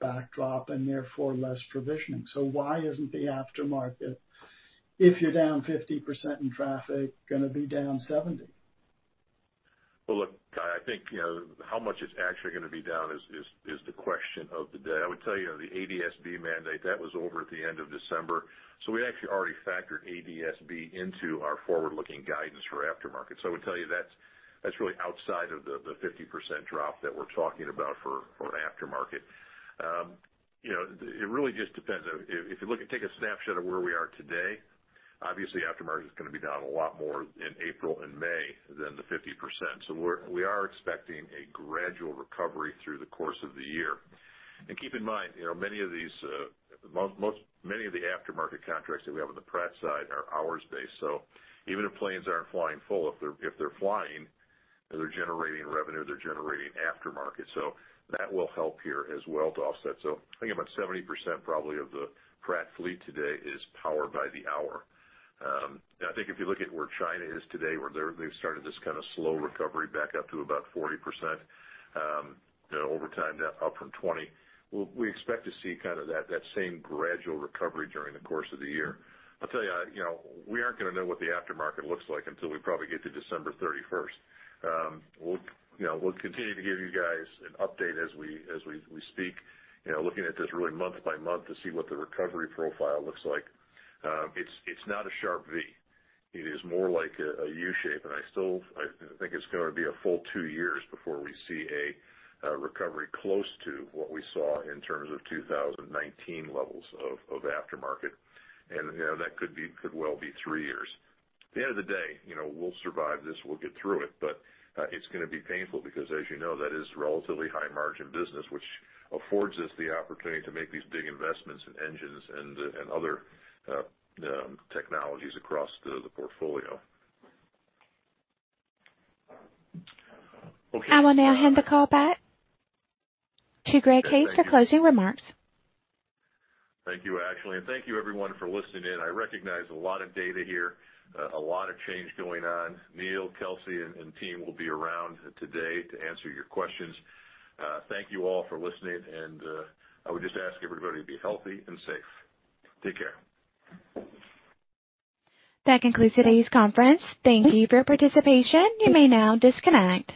backdrop and therefore less provisioning. Why isn't the aftermarket, if you're down 50% in traffic, going to be down 70%? Well, look, Cai, I think how much it's actually going to be down is the question of the day. I would tell you, the ADS-B mandate, that was over at the end of December, we actually already factored ADS-B into our forward-looking guidance for aftermarket. I would tell you that's really outside of the 50% drop that we're talking about for aftermarket. It really just depends. If you take a snapshot of where we are today, obviously aftermarket is going to be down a lot more in April and May than the 50%. We are expecting a gradual recovery through the course of the year. Keep in mind, many of the aftermarket contracts that we have on the Pratt side are hours based. Even if planes aren't flying full, if they're flying, they're generating revenue, they're generating aftermarket. That will help here as well to offset. I think about 70% probably of the Pratt fleet today is powered by the hour. I think if you look at where China is today, where they've started this kind of slow recovery back up to about 40% over time, up from 20%, we expect to see that same gradual recovery during the course of the year. I'll tell you, we aren't going to know what the aftermarket looks like until we probably get to December 31st. We'll continue to give you guys an update as we speak, looking at this really month by month to see what the recovery profile looks like. It's not a sharp V. It is more like a U shape. I think it's going to be a full two years before we see a recovery close to what we saw in terms of 2019 levels of aftermarket. That could well be three years. At the end of the day, we'll survive this, we'll get through it, but it's going to be painful because as you know, that is relatively high margin business, which affords us the opportunity to make these big investments in engines and other technologies across the portfolio. I will now hand the call back to Greg Hayes for closing remarks. Thank you, Ashley, and thank you everyone for listening in. I recognize a lot of data here, a lot of change going on. Neil, Kelsey, and team will be around today to answer your questions. Thank you all for listening, and I would just ask everybody to be healthy and safe. Take care. That concludes today's conference. Thank you for your participation. You may now disconnect.